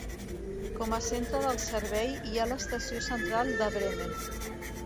Com a centre del servei hi ha l'estació central de Bremen.